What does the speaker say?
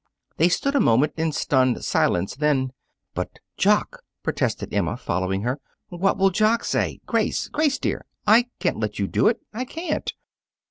They stood a moment in stunned silence. Then: "But Jock!" protested Emma, following her. "What will Jock say? Grace! Grace dear! I can't let you do it! I can't!"